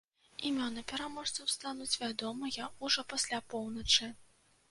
Імёны пераможцаў стануць вядомыя ўжо пасля поўначы.